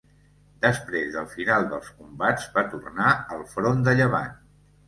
Després del final dels combats va tornar al front de Llevant.